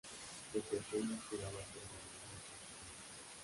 De pequeña aspiraba a ser bailarina profesional.